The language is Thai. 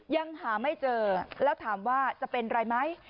ยังหาไม่เจอแล้วถามว่าจะเป็นอะไรไหม